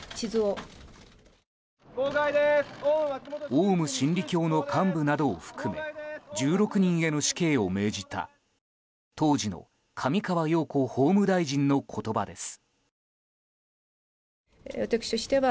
オウム真理教の幹部などを含め１６人への死刑を命じた当時の上川陽子法務大臣の言葉です。